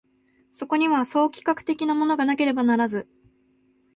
そこには総企画的なものがなければならず、